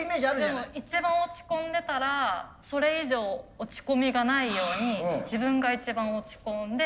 でも一番落ち込んでたらそれ以上落ち込みがないように自分が一番落ち込んで。